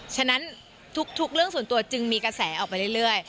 ฉะนั้นทุกเรื่องส่วนตัวจึงมีกระแสออกไปเรื่อย